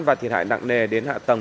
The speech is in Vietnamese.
và thiệt hại nặng nề đến hạ tầng